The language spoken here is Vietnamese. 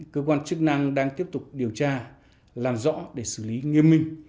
cơ quan chức năng đang tiếp tục điều tra làm rõ để xử lý nghiêm minh